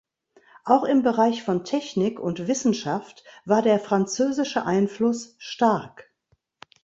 Auch im Bereich von Technik und Wissenschaft war der französische Einfluss stark.